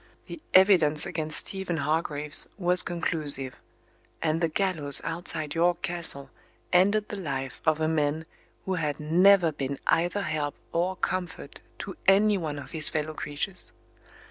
The evidence against Stephen Hargraves was conclusive; and the gallows outside York Castle ended the life of a man who had never been either help or comfort to any one of his fellow creatures.